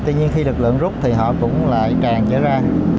tuy nhiên khi lực lượng rút thì họ cũng lại tràn dễ